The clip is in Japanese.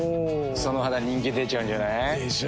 その肌人気出ちゃうんじゃない？でしょう。